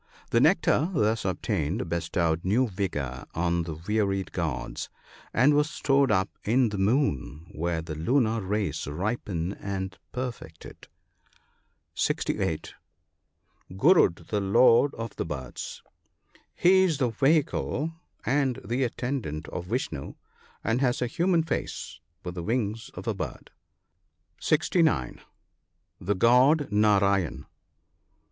The nectar thus obtained bestowed new vigour on the wearied gods, and was stored up in the moon, where the lunar rays ripen and perfect it. (68.) Gur&dy the lord of the birds. — He is the vehicle and the attendant of Vishnoo, and has a human face with the wings of a bird. (69.) The god Narayen.